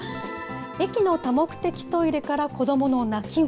駅の多目的トイレから子どもの泣き声。